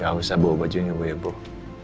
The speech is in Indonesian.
gak usah bawa bajunya ya boh